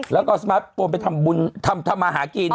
แล้วก็สมาร์ทโฟนไปทำบุญทำมาหากิน